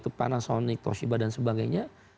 ketua perusahaan nik toshiba dan sebagainya